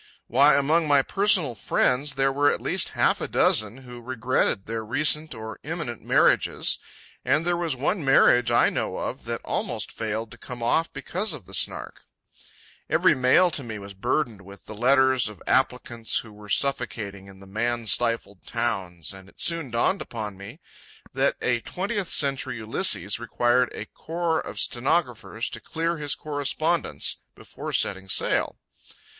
Why, among my personal friends there were at least half a dozen who regretted their recent or imminent marriages; and there was one marriage I know of that almost failed to come off because of the Snark. Every mail to me was burdened with the letters of applicants who were suffocating in the "man stifled towns," and it soon dawned upon me that a twentieth century Ulysses required a corps of stenographers to clear his correspondence before setting sail.